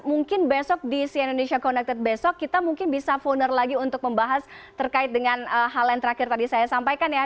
mungkin besok di si indonesia connected besok kita mungkin bisa founder lagi untuk membahas terkait dengan hal yang terakhir tadi saya sampaikan ya